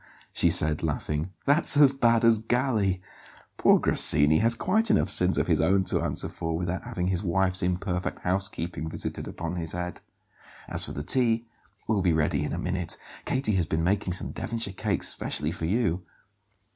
she said, laughing; "that's as bad as Galli! Poor Grassini has quite enough sins of his own to answer for without having his wife's imperfect housekeeping visited upon his head. As for the tea, it will be ready in a minute. Katie has been making some Devonshire cakes specially for you."